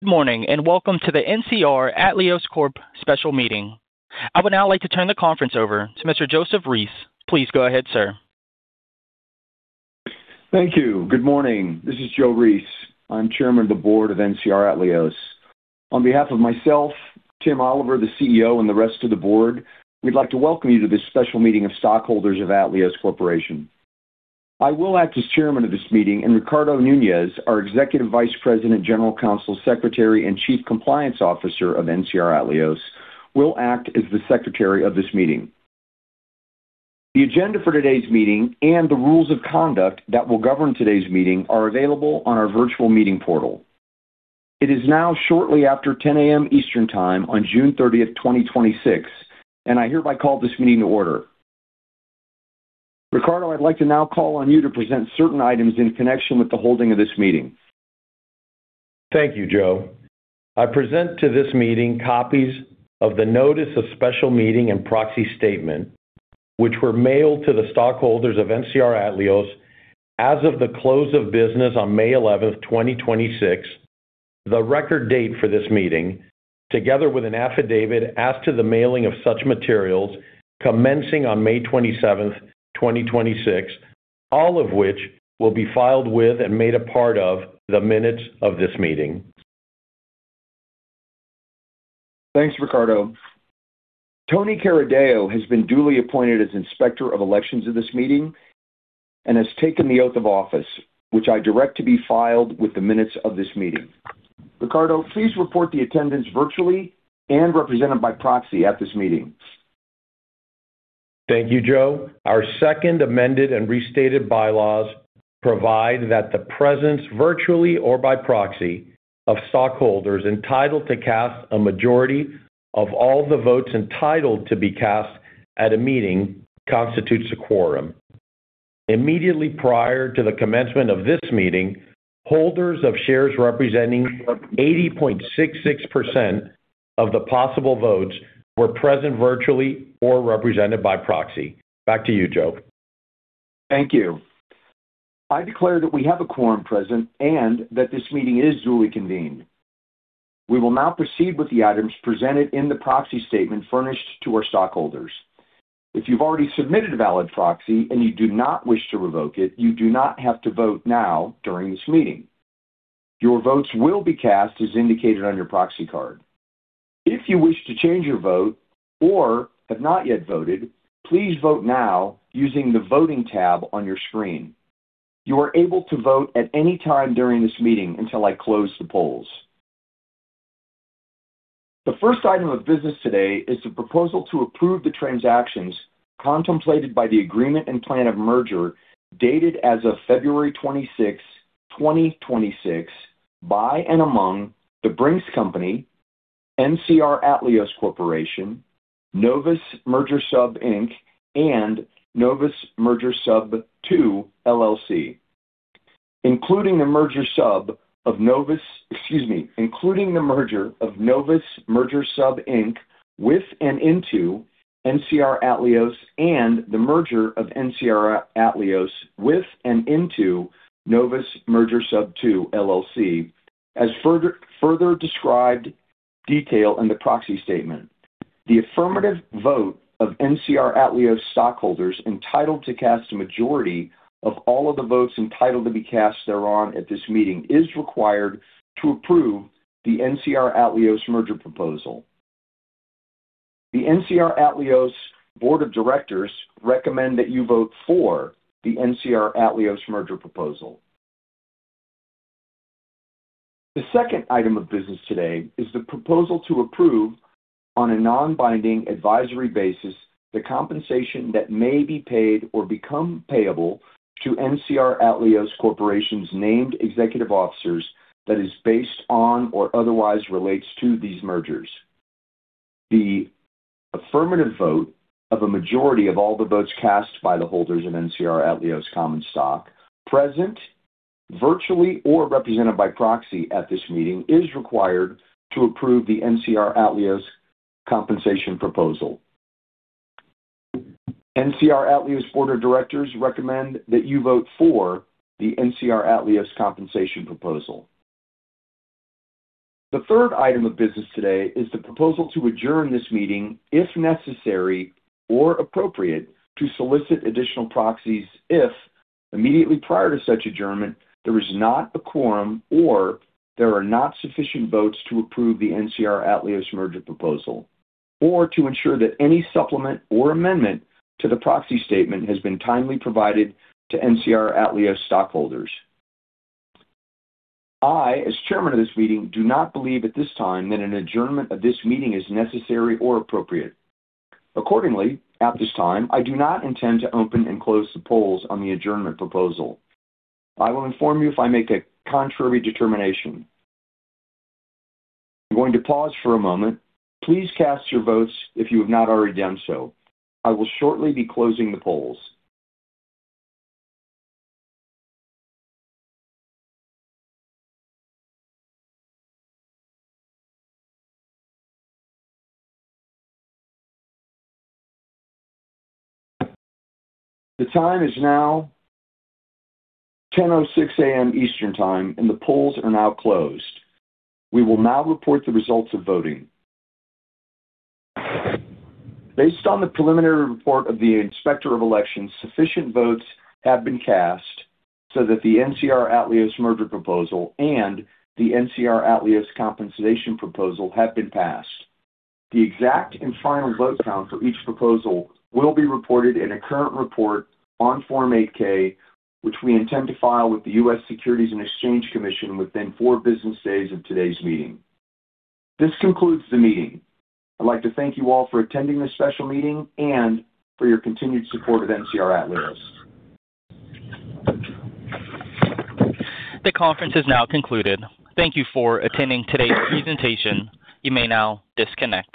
Good morning, and welcome to the NCR Atleos Corp Special Meeting. I would now like to turn the conference over to Mr. Joseph Reece. Please go ahead, sir. Thank you. Good morning. This is Joe Reece. I'm Chairman of the Board of NCR Atleos. On behalf of myself, Tim Oliver, the CEO, and the rest of the board, we'd like to welcome you to this special meeting of stockholders of Atleos Corporation. I will act as chairman of this meeting. Ricardo Nuñez, our Executive Vice President, General Counsel, Secretary, and Chief Compliance Officer of NCR Atleos, will act as the secretary of this meeting. The agenda for today's meeting and the rules of conduct that will govern today's meeting are available on our virtual meeting portal. It is now shortly after 10:00 A.M. Eastern Time on June 30th, 2026. I hereby call this meeting to order. Ricardo, I'd like to now call on you to present certain items in connection with the holding of this meeting. Thank you, Joe. I present to this meeting copies of the notice of special meeting and proxy statement, which were mailed to the stockholders of NCR Atleos as of the close of business on May 11th, 2026, the record date for this meeting, together with an affidavit as to the mailing of such materials commencing on May 27, 2026, all of which will be filed with and made a part of the minutes of this meeting. Thanks, Ricardo. Tony Carideo has been duly appointed as Inspector of Elections of this meeting and has taken the oath of office, which I direct to be filed with the minutes of this meeting. Ricardo, please report the attendance virtually and represented by proxy at this meeting. Thank you, Joe. Our second amended and restated bylaws provide that the presence, virtually or by proxy, of stockholders entitled to cast a majority of all the votes entitled to be cast at a meeting constitutes a quorum. Immediately prior to the commencement of this meeting, holders of shares representing 80.66% of the possible votes were present virtually or represented by proxy. Back to you, Joe. Thank you. I declare that we have a quorum present and that this meeting is duly convened. We will now proceed with the items presented in the proxy statement furnished to our stockholders. If you've already submitted a valid proxy and you do not wish to revoke it, you do not have to vote now during this meeting. Your votes will be cast as indicated on your proxy card. If you wish to change your vote or have not yet voted, please vote now using the Voting tab on your screen. You are able to vote at any time during this meeting until I close the polls. The first item of business today is the proposal to approve the transactions contemplated by the agreement and plan of merger dated as of February 26, 2026 by and among The Brink's Company, NCR Atleos Corporation, Novus Merger Sub Inc., and Novus Merger Sub II, LLC including the merger of Novus Merger Sub Inc. with and into NCR Atleos and the merger of NCR Atleos with and into Novus Merger Sub II, LLC as further described in detail in the proxy statement. The affirmative vote of NCR Atleos stockholders entitled to cast a majority of all of the votes entitled to be cast thereon at this meeting is required to approve the NCR Atleos Merger Proposal. The NCR Atleos Board of Directors recommends that you vote for the NCR Atleos Merger Proposal. The second item of business today is the proposal to approve, on a non-binding advisory basis, the compensation that may be paid or become payable to NCR Atleos Corporation's named executive officers that is based on or otherwise relates to these mergers. The affirmative vote of a majority of all the votes cast by the holders of NCR Atleos Common Stock present, virtually or represented by proxy at this meeting, is required to approve the NCR Atleos Compensation Proposal. The NCR Atleos Board of Directors recommends that you vote for the NCR Atleos Compensation Proposal. The third item of business today is the proposal to adjourn this meeting if necessary or appropriate to solicit additional proxies if, immediately prior to such adjournment, there is not a quorum or there are not sufficient votes to approve the NCR Atleos merger proposal or to ensure that any supplement or amendment to the proxy statement has been timely provided to NCR Atleos stockholders. I, as Chairman of this meeting, do not believe at this time that an adjournment of this meeting is necessary or appropriate. Accordingly, at this time, I do not intend to open and close the polls on the adjournment proposal. I will inform you if I make a contrary determination. I'm going to pause for a moment. Please cast your votes if you have not already done so. I will shortly be closing the polls. The time is now 10:06 A.M. Eastern Time. The polls are now closed. We will now report the results of voting. Based on the preliminary report of the Inspector of Elections, sufficient votes have been cast so that the NCR Atleos merger proposal and the NCR Atleos compensation proposal have been passed. The exact and final vote count for each proposal will be reported in a current report on Form 8-K, which we intend to file with the U.S. Securities and Exchange Commission within four business days of today's meeting. This concludes the meeting. I'd like to thank you all for attending this special meeting and for your continued support of NCR Atleos. The conference has now concluded. Thank you for attending today's presentation. You may now disconnect.